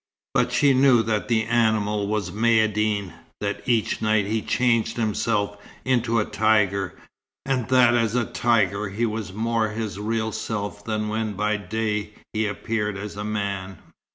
But she knew that the animal was Maïeddine; that each night he changed himself into a tiger; and that as a tiger he was more his real self than when by day he appeared as a man.